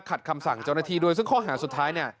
คำสั่งเจ้าหน้าที่ด้วยซึ่งข้อหาสุดท้ายเนี่ย